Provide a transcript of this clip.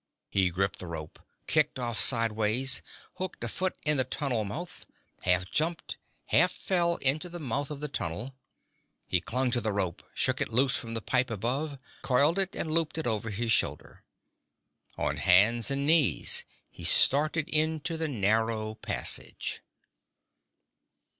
He gripped the rope, kicked off sideways, hooked a foot in the tunnel mouth, half jumped, half fell into the mouth of the tunnel. He clung to the rope, shook it loose from the pipe above, coiled it and looped it over his shoulder. On hands and knees he started into the narrow passage.